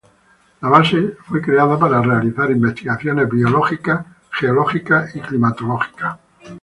La base fue creada para realizar investigaciones biológicas, geológicas y climatológicas.